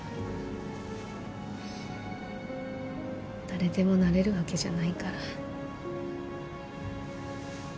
誰でもなれるわけじゃないから。